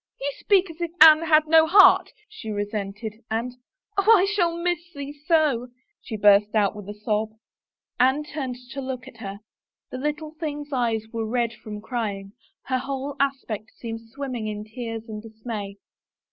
"You speak as if Anne had no heart," she cesented, and, " Oh, I shall miss thee so !" she burst out with a sob. Anne turned to look at her. The little thing's eyes were red with crying; her whole aspect seemed swim ming in tears and dismay.